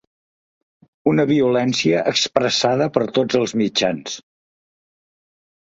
Una violència expressada per tots els mitjans.